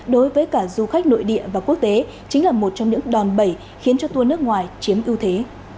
đối với cả du khách nội địa và quốc tế chính là một trong những đòn bẩy khiến cho tour nước ngoài chiếm ưu thế